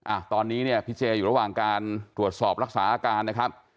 อ่ะตอนนี้เนี่ยพี่เจอยู่ระหว่างการตรวจสอบรักษาอาการนะครับ